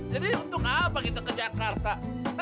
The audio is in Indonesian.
jadi untuk apa kita ke jakarta